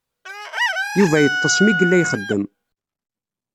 Yuba yeḍḍes mi yella ixeddem.